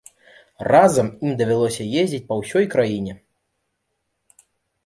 Разам ім давялося ездзіць па ўсёй краіне.